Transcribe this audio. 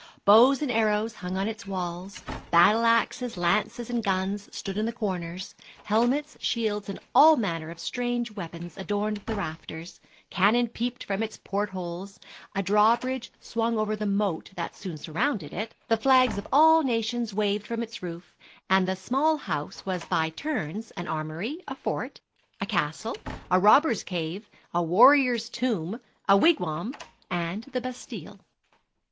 Bows and arrows hung on its walls; battle axes, lances, and guns stood in the corners; helmets, shields, and all manner of strange weapons adorned the rafters; cannon peeped from its port holes; a drawbridge swung over the moat that soon surrounded it; the flags of all nations waved from its roof, and the small house was by turns an armory, a fort, a castle, a robber's cave, a warrior's tomb, a wigwam, and the Bastile.